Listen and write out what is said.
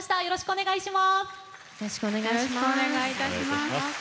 よろしくお願いします。